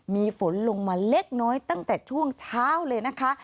มีฝนลงมาเล็กน้อยตั้งแต่ช่วงเช้าเลยนะคะ